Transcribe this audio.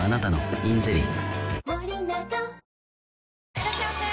いらっしゃいませ！